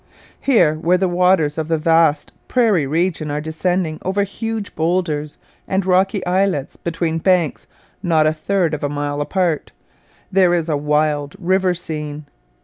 Here, where the waters of the vast prairie region are descending over huge boulders and rocky islets between banks not a third of a mile apart, there is a wild river scene.